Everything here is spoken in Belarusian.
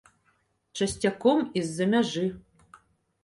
Часцяком і з-за мяжы.